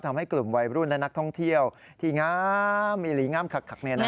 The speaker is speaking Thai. ทำให้กลุ่มวัยรุ่นและนักท่องเที่ยวที่งามมีหลีงามขัก